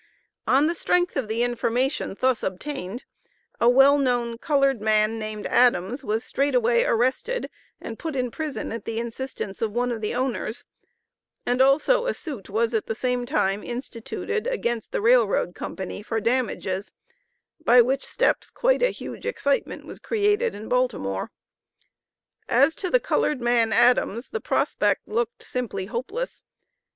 On the strength of the information thus obtained, a well known colored man, named Adams, was straightway arrested and put in prison at the instance of one of the owners, and also a suit was at the same time instituted against the Rail Road Company for damages by which steps quite a huge excitement was created in Baltimore. As to the colored man Adams, the prospect looked simply hopeless.